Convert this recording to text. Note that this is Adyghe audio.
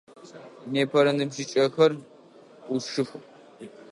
Непэрэ ныбжьыкӏэхзр ӏушых.